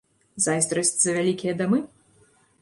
Зайздрасць за вялікія дамы?